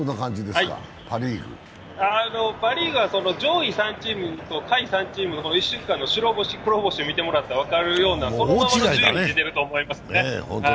パ・リーグは上位３チームと下位３チームの１週間の白星・黒星を見てもらったら分かるとおり、そのままの順位が出ていると思いますね。